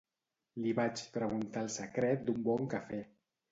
Li vaig preguntar el secret d'un bon cafè.